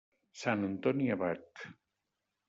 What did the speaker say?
Sant Antoni Abat.